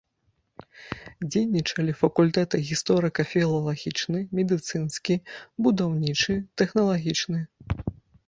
Дзейнічалі факультэты гісторыка-філалагічны, медыцынскі, будаўнічы, тэхналагічны.